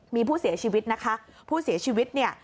มีผู้เสียชีวิตนะคะผู้เสียชีวิตเนี่ย